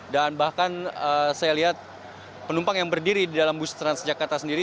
dan bahkan saya lihat penumpang yang berdiri di dalam bus transjakarta sendiri